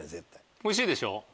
おいしいでしょ？